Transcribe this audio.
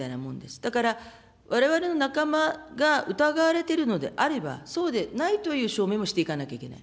だから、われわれの仲間が疑われているのであれば、そうでないという証明もしていかないといけない。